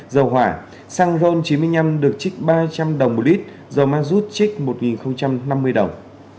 xăng rôn chín mươi năm được trích ba trăm linh đồng mỗi lít dầu ma rút trích một năm mươi đồng